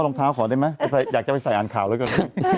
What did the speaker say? รองเท้าขอได้ไหมอยากจะไปใส่อ่านข่าวเหลือเกิน